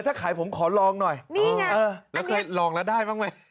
ถ้าขายผมขอลองหน่อยแล้วเคยลองแล้วได้บ้างไหม